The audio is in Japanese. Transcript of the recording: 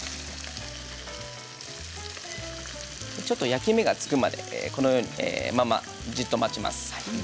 焼き目がつくまでこのようにじっと待ちます。